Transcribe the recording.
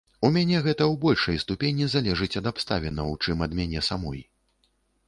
У мяне гэта ў большай ступені залежыць ад абставінаў, чым ад мяне самой.